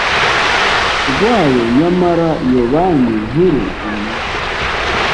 rwayo nyamara iyo banki nkuru imaze